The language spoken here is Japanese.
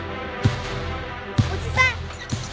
おじさん！